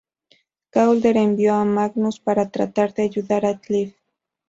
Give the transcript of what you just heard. Caulder envió a Magnus para tratar de ayudar a Cliff.